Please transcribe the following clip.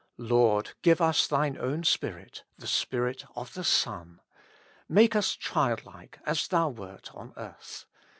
Lord ! give us Thine own Spirit, the Spirit of the Son. Make us childlike, as Thou wert on earth.